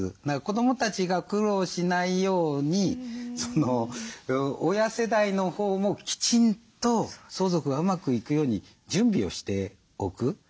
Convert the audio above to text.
だから子どもたちが苦労しないように親世代のほうもきちんと相続がうまくいくように準備をしておく。